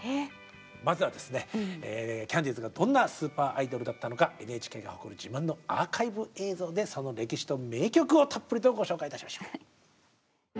まずはですねキャンディーズがどんなスーパーアイドルだったのかＮＨＫが誇る自慢のアーカイブ映像でその歴史と名曲をたっぷりとご紹介いたしましょう。